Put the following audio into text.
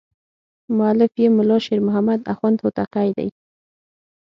مؤلف یې ملا شیر محمد اخوند هوتکی دی.